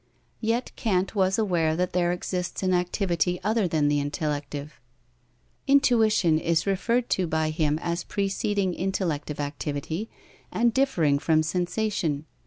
Yet Kant was aware that there exists an activity other than the intellective. Intuition is referred to by him as preceding intellective activity and differing from sensation.